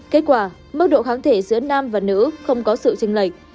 kết quả mức độ kháng thể giữa nam và nữ không có sự trình bày